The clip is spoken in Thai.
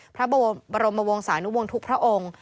พระบรมวงศานุวงศ์ทุกพระองค์